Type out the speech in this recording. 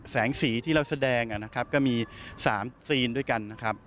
แสงสีที่เราแสดงก็มี๓ซีนด้วยกัน